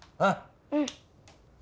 うん。